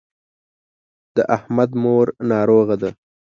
د احمد مور ناروغه ده.